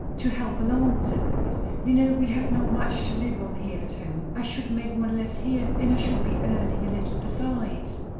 "To help along," said Lois. "You know, we have not much to live on here at home. I should make one less here, and I should be earning a little besides."